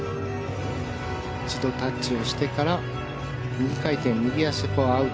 一度タッチをしてから右回転右足フォアアウト。